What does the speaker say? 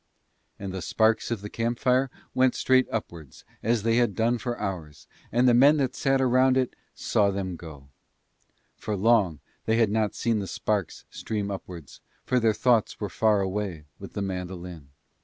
And the sparks of the camp fire went straight upwards as they had done for hours, and the men that sat around it saw them go: for long they had not seen the sparks stream upwards, for their thoughts were far away with the mandolin.